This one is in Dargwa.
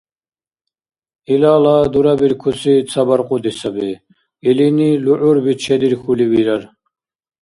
Илала дурабуркӀуси ца баркьуди саби: илини лугӀурби чедирхьули вирар.